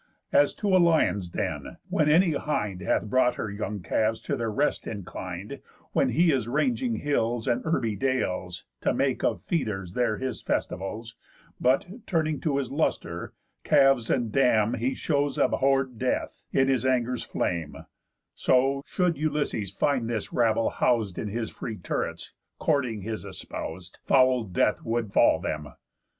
As to a lion's den, when any hind Hath brought her young calves, to their rest inclin'd, When he is ranging hills, and herby dales, To make of feeders there his festivals, But, turning to his luster, calves and dam He shows abhorr'd death, in his anger's flame; So, should Ulysses find this rabble hous'd In his free turrets, courting his espous'd, Foul death would fall them.